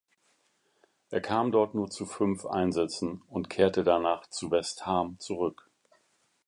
Er kam dort nur zu fünf Einsätzen und kehrte danach zu West Ham zurück.